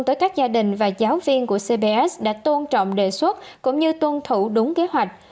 tới các gia đình và giáo viên của cbs đã tôn trọng đề xuất cũng như tuân thủ đúng kế hoạch